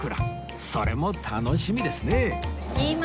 それも楽しみですねえ